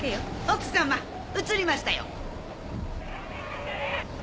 奥様映りましたよ。